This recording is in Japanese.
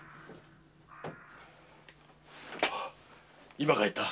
今帰った。